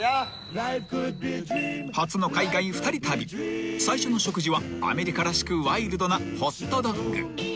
［初の海外２人旅最初の食事はアメリカらしくワイルドなホットドッグ］